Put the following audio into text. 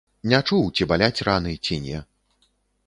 Не чуў, ці баляць раны, ці не.